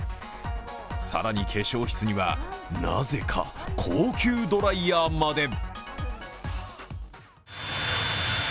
更に、化粧室には、なぜか高級ドライヤーまで。